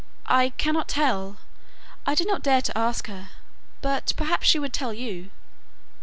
'I cannot tell I did not dare to ask her; but perhaps she would tell you.